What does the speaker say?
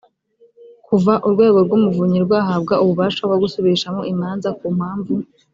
kuva urwego rw umuvunyi rwahabwa ububasha bwo gusubirishamo imanza ku mpamvu